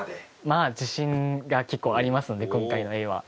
まあ自信が結構ありますので今回の絵は。